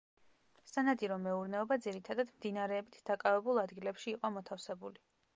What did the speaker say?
სანადირო მეურნეობა, ძირითადად, მდინარეებით დაკავებულ ადგილებში იყო მოთავსებული.